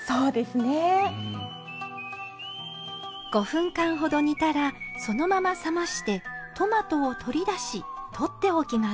５分間ほど煮たらそのまま冷ましてトマトを取り出し取っておきます。